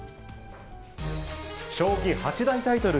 将棋八大タイトル